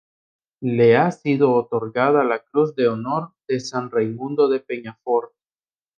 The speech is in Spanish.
Le ha sido otorgada la Cruz de Honor de San Raimundo de Peñafort.